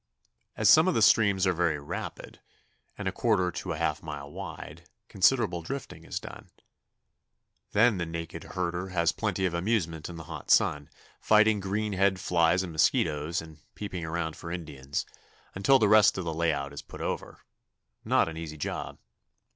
As some of the streams are very rapid, and a quarter to a half mile wide, considerable drifting is done. Then the naked herder has plenty of amusement in the hot sun, fighting green head flies and mosquitoes, and peeping around for Indians, until the rest of the lay out is put over not an easy job.